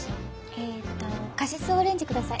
えとカシスオレンジ下さい。